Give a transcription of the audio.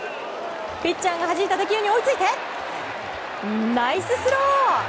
ピッチャーがはじいた打球に追いついて、ナイススロー！